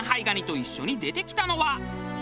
蟹と一緒に出てきたのは。